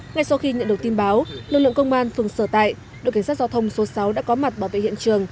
ngay sau khi nhận được tin báo lực lượng công an phường sở tại đội cảnh sát giao thông số sáu đã có mặt bảo vệ hiện trường